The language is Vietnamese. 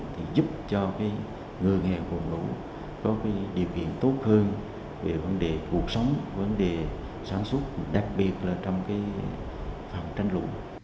thì giúp cho cái người nghèo của quảng lũ có cái điều kiện tốt hơn về vấn đề cuộc sống vấn đề sản xuất đặc biệt là trong cái phòng tránh lũ